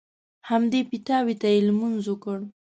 همدې پیتاوي ته یې لمونځ وکړ.